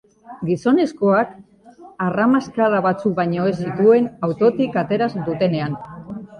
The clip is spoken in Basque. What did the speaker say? Gizonezkoak harramazkada batzuk baino ez zituen autotik atera dutenean.